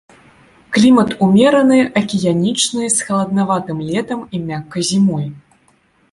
Клімат умераны, акіянічны, з халаднаватым летам і мяккай зімой.